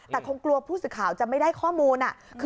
แต่คงกลัวผู้สื่อข่าวจะไม่ได้ข้อมูล